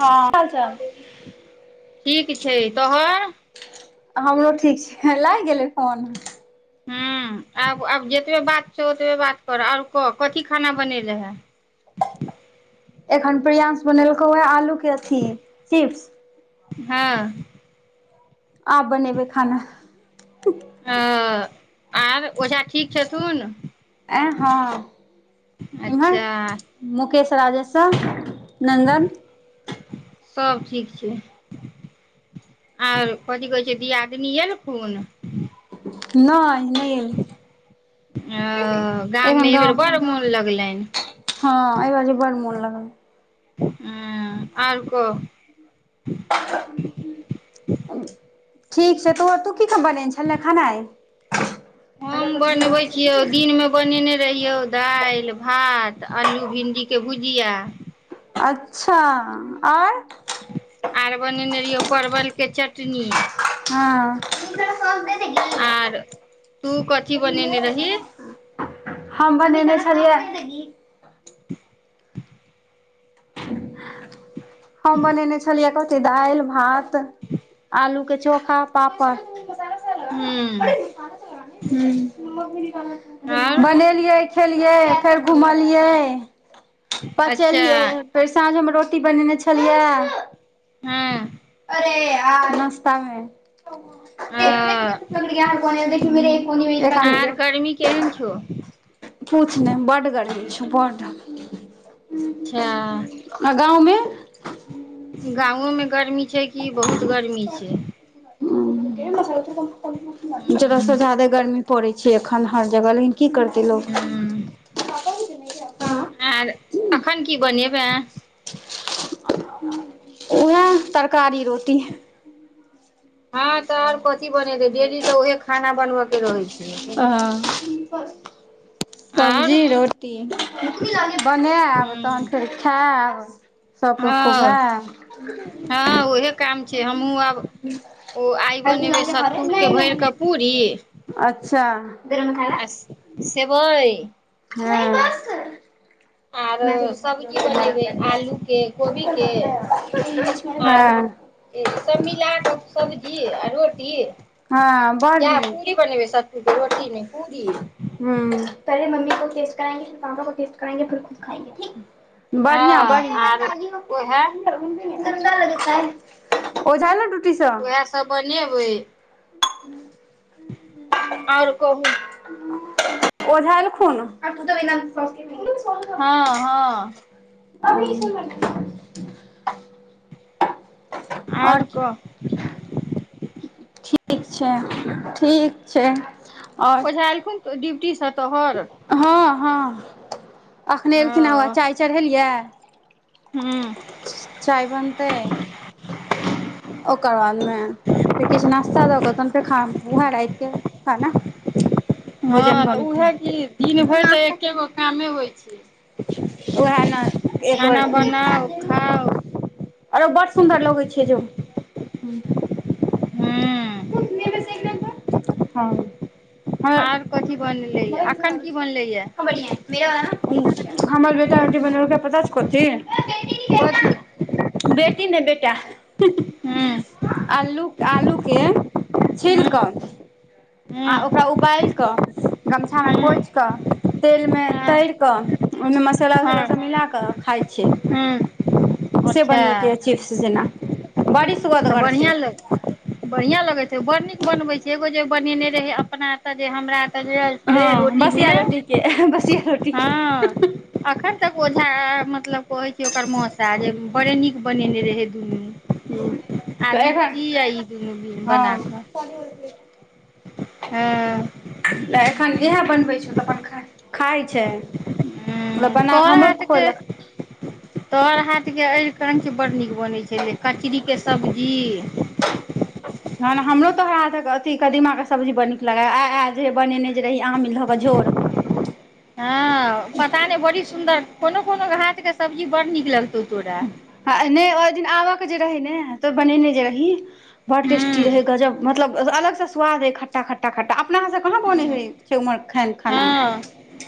हँ हाल चाल ठीक छै तहन हमरो ठीक छै लागि गेलै फोन ह्म आब आब जेतबे बात छौ ओतबे बात कर आओर कह कथी खाना बनेले हे एखन प्रियांस बनेलकौ ए आलूके अथी चिप्स हँ आब बनेबै खाना ओ आर ओझा ठीक छथुन आंय हँ उम्हर अच्छा मुकेश राजेश्वर नन्दन सब ठीक छै आर कथी कहै छै दियादिनी एलखून नहि नहि एलै ओ गाममे एखन एहि बेर गाँव बड़ मोन लगलै हिन हँ एहि बाजि बड़ मोन लगलै उंम्म आर कह ठीक छै तो तू की सब बनेने छले खेनाइ हम बनबैत छियौ दिनमे बनेने रहियौ दालि भात तऽ आलू भिण्डीके भुजिया अच्छा आओर आर बनेने रहियौ परवल के चट टनी हँ आर तू कथी बनेने रही हम बनेने छलियै [inaudible] हम बनेने छोलिये कथी दएल भात आलू चोखा पापड हू बनेलियै खेलियै फेर घूमल कलियै अच्छा पचलिय साँझो मे रोटी बनेने छलियै हँ अरे आ नस्तमे अ तऽ कपहर कोन आर लऽ? गर्मी केहन छौ किछु नहि बड्ड गरीमी छौ बड्ड अच्छा ह गाममे की बहुत गरमी छै ह ब त हूँ जरुवत ज्यादा ह गर्मी पड़ै छै अखन हर जगह ल ह आ एखन की बनेब है उए तरकारी रोटी हँ तऽर पथ बने डेली तऽएह खाना बनबय के रहैत छै से वाह सब्जी रोटी बनायब तहन हूँ फेर खायब हँ हँ हँ उहे काम छै हमहूँ आब ओ आइ बनेबै सत्तूके भरि खुआएब कऽ पूरी अच्छा आ सेवइ ह आरो सब्जी बनेबै आलू के कोबी के आर ई सब मिलाके सब्जी रोटी हँ बड़ जा नीक पूरी बनेबै रोटी मे पूरी ह पहिले मम्मी को टेस्ट कराएंगे फिर पापा को टेस्ट कराएंगे फिर खुद खाएंगे ठीक बढ़िआँ हँ आर बढ़िआँ उएह ओझा एलै उहै सभ बनेबै आओर कहु ओझा एलखुन हँ हँ अभी ई सब आओर कि ठीक छै ठीक छै आओर ओझा एलखुन ओ ड्यूटी स तोहर हँ हँ अखने एलखिन हँ हवै ह चाय चढ़ेलियै ह चाय बनतै ओकर बाद मे फेर किछु नास्ता दऽ के तन फेर खाना उहै राति खाना भोजन हँ तऽ उहै बनतै कि दिन भरि तऽ एके गो कामे होइ छै उहै ने एक बेर खाना बनाउ खाउ आरो बड़ सुन्दर लगै छै जो हूँ हू हँ आर कथी बन हमर बेटा बेटी बनेलकै पचास कथि हे बेटी बढ़ी बेटी नहि बेटा हूँ आलू आलूके हूँ छिल हूँ कऽ हूँ आ ओकरा उबालि कऽ गमछामे पोइछ कऽ तेलमे तरि कऽ ओहिमे मसाला वसाला हँ हँ सब मिला कऽ खाइ छियै हूँ से अच्छा बनेलकै है चिप्स जेना बड़ी तऽ सुअदगर छै बढ़िआं लग बढ़िआं लगैत छै बड़ नीक बनबे छै एगो जे बनेने रहय अपना तऽ जे हमरा एतऽ जे आयल छलै हँ रोटीमे बसिया रोटी कें हँ ह बसिया रोटी ठीक या हँ हँ अखन तक ओझा आ मतलब कहे छै ओकर मौसा जे बड़े नीक बनेने रहे दुनू तऽ एखन आदित्य आ ई दुनू बना हँ कऽ परोर कें हँ एखन इएह बनबै छ तऽ अपना खााय छै मतलब हुँ बना कऽ तोहर हमरो हाथ जे खुएलक तोहर हाथ अढ़ कंच बड्ड नीक बनै छलै कचरीके सब्जी हँ हमरो तऽ हय अथथि कदीमाके सब्जी बड़ नीक लगा आइ आयल जे बनेने जे रही आमिल धऽ कऽ झोर हँ पता नहि बड़ी सुन्दर कोनो कोनो घात के सब्जी बड़ नीक लगतैउ हुँ नै ओहि दिन आबक जे रहै ने तऽ बनेने जे रही बड्ड हूँ टेस्टी रहे गजब मतलब बस अलग से स्वाद रहै खट्टा ख्टा खट्टा हमरा सँ कहां बोलय हइ उमहरखैन खाना हँ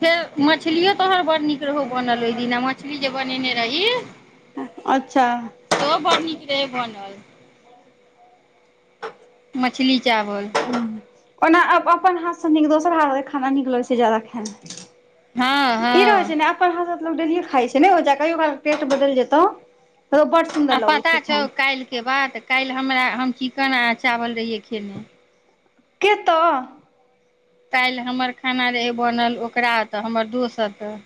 फेर मछलियो तोहर बड़ नीक रहौ बनल ओहि दिन मछली जे बनेने रही अच्छा शो बढ़ नीक रहै बनल नाल मछली चावल हँ ओना अपन हाथ से न दोसर हाथ खाना नीक लगै छै जाादा खायमे हँ ई रह हँ छै ने अपन अहाँ सब लोक डेलीयो खाय छै नै होय छै मतलब कहियो काल टेस्ट बदल जेतौ तऽ बड़ सुन्दर आ लगै पता छै छौ खायमे काल्हिके बात काल्हि हमरा हम कना चावल रहिये खेने केतऽ काल्हि हमर खाना रहै बनल ओकरा तऽ हमर दोस्त तऽ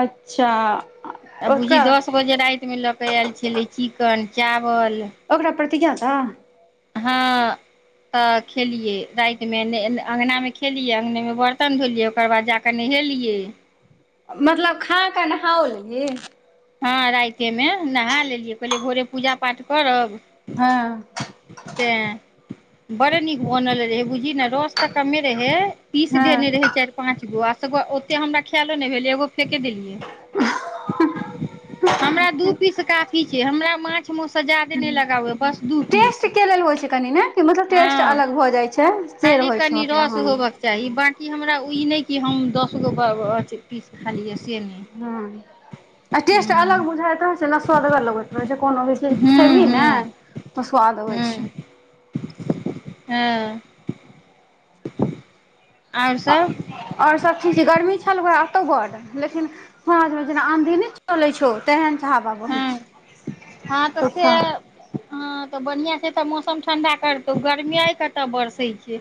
अच्छा आब बुझी ओकरा दस बजे रातिमे लऽ कऽ आयल छलै चिकन चाव ओकरा प्रतिज्ञा छ हँ हँ तऽ खेलियै रातिमे अङ्गनामे खेलियै अङ्गनेमे बर्तन धोलियै ओकर बाद जा कऽ नहेलियै मतलब खा कऽ नहाओ लेलही हँ रातिमे नहा लेलियै कहलियै भोरे पूजा पाठ करब हँ बरे नीक बनल रहे बुझ ही ने रस तऽ कमे रहै पीस हँ देने रहे चारि पाँंच गो आ ओते हमरा ख‌एलो नहि भेल एगो फेके देलियै हमरा दू पीस काफी छै हमरा माछ मौस से जादे नहि लगाव बस दू पीस टेस्ट के लेल होइ छै कनि ने मतलब टेस्ट हँ अलग भऽ जाइ छै से खाली रहै छै कनि मतलब रस हँ होबक चाही बट कि हमरा ई नहि कि हम दसगो पीस खालियै ह्म्म आ टेस्ट अलग हूँ बुझाइत रहै छै ने स्वदगर लगैत रहै छै कोनो भी चीज हूँ खेबही ने हूँ तऽ स्वाद अबै छै हूँ हँ आओर सब आओर सब ठिक छै गर्मी छलू आ अतौ बड लेकिन सांझमे जेना आँधी नहि चलै छौ तेहन हवा बहै हँ छै हँ तऽ से तुफान हँ तऽ बढ़ियां छै तऽ मौसम ठंडा करतौ गर्मी कतऽ बरसे छै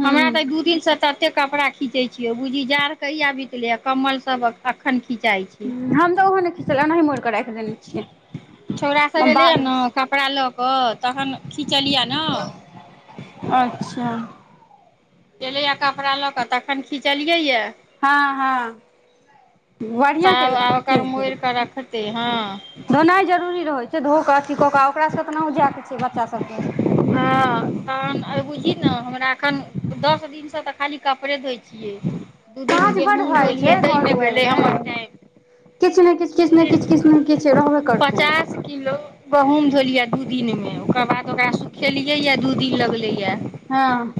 हूं हमरा तऽ दू दिनसँ त केते कपड़ा खीचैय छियै बूझी जाड़ कहिया बितलै कम्मल सब एखन खिचाय छै हम तऽ ओहो नहि खिचलीयै अनाही मोरि कऽ राखि छै छोरा सब एलै ने कपड़ा लऽ कऽ तहन खि अच्छा एलैया कपड़ा लऽ क तखन खिचलियै या हँ हँ तब बढ़िया केले आ ओकर मोड़ि कऽ रखतै हँ धोनाय जरूरी रहै छै धोक अथी कऽ ओकरा सब त न ओजिया के छै बच्चा सबके हँ तहन बुझही ने हमरा एखन दस दिनसँ तऽ खाली कपड़े धोइ छियै दू दिन काज बड्ड गहूँम भऽ जाइ धोलियै छै घर ताहिमे दुआरि भेलै मे हमर टाइम किछु ने किछु किछु दू ने किछु दिन किछु ने किछु रहबे करतौ गहूंम धोलिया दू दिन मे कबा कना खेलियै य दू दिन लगले या हँ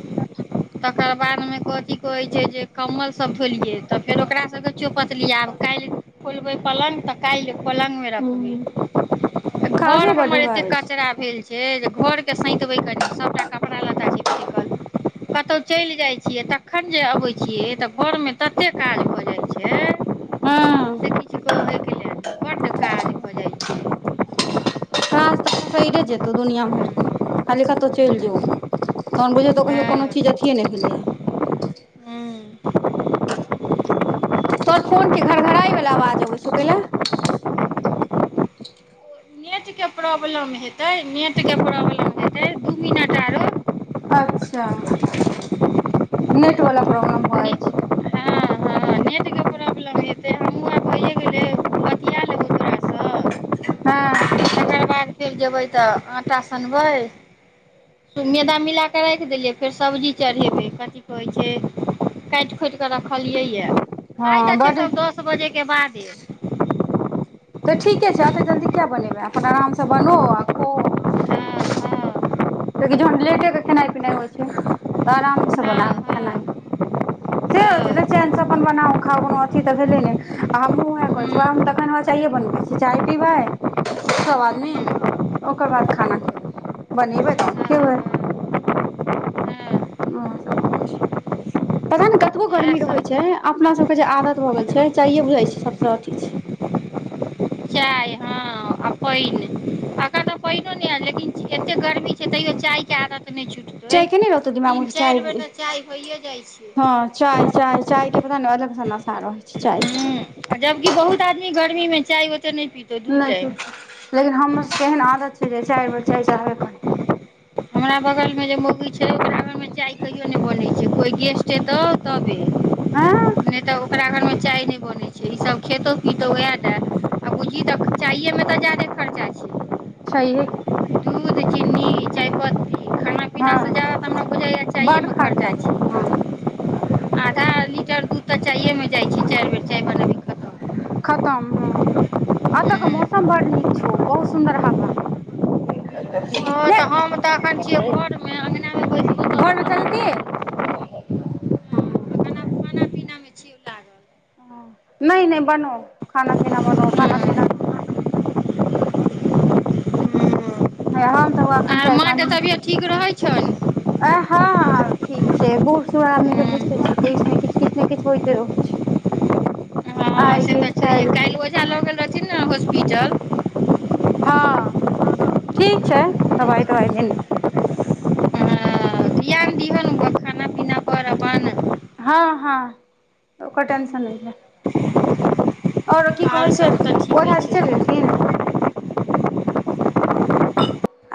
तकर बादमे कथी कहैत छै जे कम्बल सभ घोलियै तऽ फेर ओकरा सबके चौपतली आब काल्हि खुलबै पल्ग तऽ काल्हि पलङ्ग मे हूं रखबे काजो बड हमर एते भऽ जाइ कचरा भेल जे घरके सैतबै कनी सभटा कपड़ा लत्ता छै फेकल कतहु चलि जाइ छियै तखन जे अबैत छियै तऽ घरमे ततेक काज भऽ जाइ छै हँ से किछु कहैके लेल बड्ड काज भऽ जाइ छै काज तऽ उसरि यै जेयतहु दुनिआँ भर के खाली कतहु चलि जउ तहन बुझौ तहु कहियौ कोनो चीज अथिए नहि भेलैए तोहर फोनके घरघराइवला आवाज अबै छौ कयलेल के प्रॉब्लम हेतै नेट के प्रॉब्लम हेतै दू मिनट आरो अच्छा नेट वाला प्रॉब्लम भ ने जाइ छै हँ हँ नेटके प्रॉब्लम ह हेतै हमहूँ आब भइए गेलै बतिया लेबौ तोरासँ तकर हँ बाद फेर जेबै तऽ आटा सनबै मैदा मिलाकऽ राखि देलियै फेर सब्जी चढ़ेबै कथी कहैत छै काटि खोँटि कऽ रखलियै यऽ खाइ हँ त छै बड सभ दस बजे के बादे तऽ ठीके छै ए तऽ जल्दी किएक बनेबै अपन आराम सँ बनो आ खो कियकि जखन लेटेके खेनाइ पिनाइ होइ छै तऽ आरामसँ बना कऽ खेनाइ से होत ने चेनसँ अपन बनाउ खाउ कोनो अथी तऽ भेलै ने आ हमहूँ उएह करैत छी तखन चाय बनबै छी चाय पीबै सभ आदमी ओकर बाद खाना खेबै बनेबै खेदै पता ने कतबो गर्मी रहै छै अपना सबके जे आदत भऽ गेल छै चाये बुझैत छै सब अथि छै चाय हँ आ पानि एखन तऽ पानिओ नहि आयल लेकिन एतेक गर्मी छै तैयो चाय के आदत नहि छुटतै चाय क नहि रहतो दिमाग तीन मे चाय चारि बेर तऽ पिलिए चाय होइए जाइ छै हँ चाय चाय चाय के पता नहि अलग सँ नशा रहै छै चाय हूँ जबकि बहुत आदमी गर्मी मे चाय ओते नहि पीतौ दू नहि कि टाइम लेकिन हम केहन आदत छै जे चायर बेर चाय चाहबे करी हमरा बगलमे जे मौगी छै ओकरा घरमे चाय कहियो नहि बनैत छै कोइ गेस्ट अतहु तबे आँय नहि तऽ ओकरा घरमे चाय नहि बनैत छै ईसभ खेतौ पितहु उएह दए आ बुझियी तऽ चायएमे तऽ ज्यादे खर्चा छै छहै की दुध चीनी चायपत्ती खाना हँ पीनासँ ज्यादा तऽ हमरा बुझाइए बड चायेमे खर्चा छै हँ आधा लीटर दूध तऽ चायए मे जाइ छी चारि बेर चाय बनाी खतम खतम ह एतऽ के हूँ मौसम बड़ नीक छौ बहुत सुन्दर हवा ओ लेह तऽ हम तऽ एखन छियै घरमे अङ्गनामे बैसबो घर तबे मे चलति खतम ओहे एखन आब खाना हँ पीनामे छियौ लागल ह नहि नहि बनो खाना पीना बनो खाना पीना हँ हरमे तऽ व आर माँके तबियत ठीक रहै अ छ हँ ठीक छै बूढ़ सूढ़ आदमी बुझते छछ ने किछ किछु ने किछु होते रहैत छै हँ आ से तऽ किछु काल्हि ओहिझा लऽ गेल रहथिन ने हॉस्पिटल हँ ठीक छै दबाइ तबाइ द हँ ध्यान दिहन खाना पीना पर अपन हँ हँ, ओ कोनो टेन्शन नहि। आओरो की कहै आओर छै। सब तऽ ओठ ठीके छै चलि गेलखिन आ